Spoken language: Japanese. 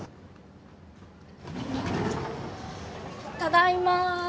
ただいま。